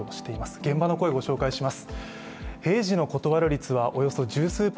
現場の声をご紹介します。